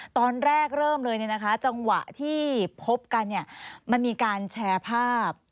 ตอนแรกเริ่มเลยจังหวะที่พบกันมันมีการแชร์ภาพ